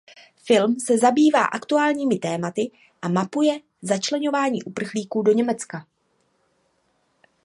Film se zabývá aktuálními tématy a mapuje začleňování uprchlíků do Německa.